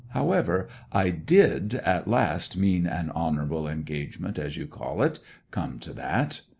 However, I did at last mean an honourable engagement, as you call it, come to that.'